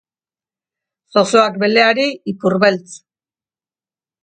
Zozoak beleari ipurbeltz